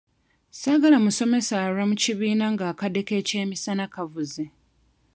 Saagala musomesa alwa mu kibiina ng'akadde k'ekyemisana kavuze.